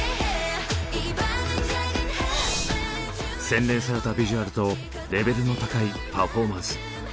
洗練されたビジュアルとレベルの高いパフォーマンス。